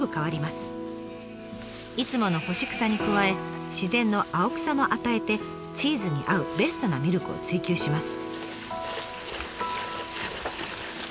いつもの干し草に加え自然の青草も与えてチーズに合うベストなミルクを追求します。